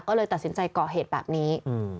ก็เลยตัดสินใจก่อเหตุแบบนี้